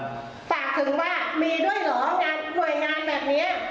ฝากถึงว่ามีด้วยเหรองานหน่วยงานแบบนี้